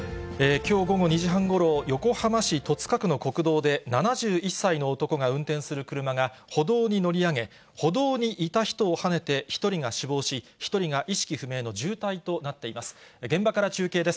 きょう午後２時半ごろ、横浜市戸塚区の国道で、７１歳の男が運転する車が、歩道に乗り上げ、歩道にいた人をはねて１人が死亡し、１人が意識不明の重体となっています。